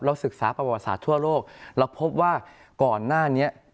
ศึกษาประวัติศาสตร์ทั่วโลกเราพบว่าก่อนหน้านี้